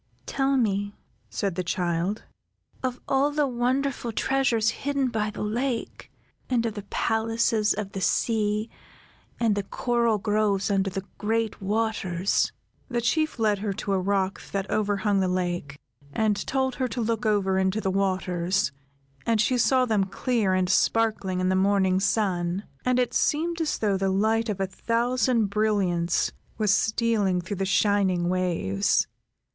"Tell me," said the child, "of all the wonderful treasures hidden by the lake, and of the palaces of the sea, and the coral groves under the great waters!" The Chief led her to a rock that overhung the lake, and told her to look over into the waters, and she saw them clear and sparkling in the morning sun, and it seemed as though the light of a thousand brilliants was stealing through the shining waves.